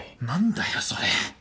何だよそれ。